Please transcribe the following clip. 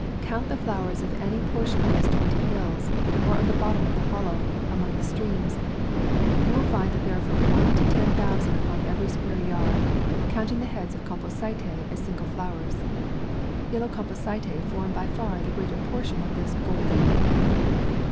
Count the flowers of any portion of these twenty hills, or of the bottom of the Hollow, among the streams: you will find that there are from one to ten thousand upon every square yard, counting the heads of Composite as single flowers. Yel low Composite form by far the greater portion of this goldy way.